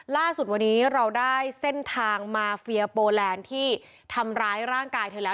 ล่าสุดวันนี้เราได้เส้นทางมาเฟียโปแลนด์ที่ทำร้ายร่างกายเธอแล้ว